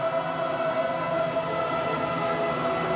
โปรดติดตามตอนต่อไป